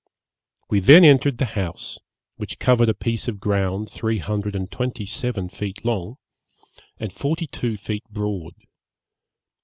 'We then entered the house, which covered a piece of ground three hundred and twenty seven feet long, and forty two feet broad.